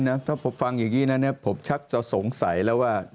ถ้าผมฟังอย่างนี้นะผมชักจะสงสัยแล้วว่า